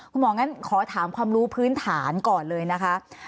คุณหมองั้นขอถามความรู้พื้นฐานก่อนเลยนะคะ